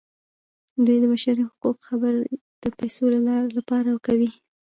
دوی د بشري حقونو خبرې د پیسو لپاره کوي.